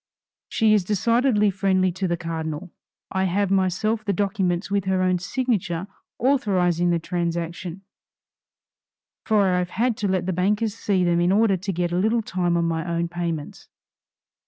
She is decidedly friendly to the cardinal. I have myself the documents with her own signature authorizing the transaction, for I have had to let the bankers see them in order to get a little time on my own payments."